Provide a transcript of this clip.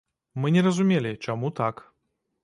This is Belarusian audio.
Мы не разумелі, чаму так.